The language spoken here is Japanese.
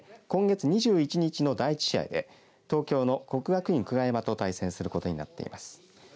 今月２１日の第１試合で東京の国学院久我山と対戦することになっています。